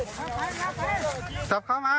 จับมาครับจับมา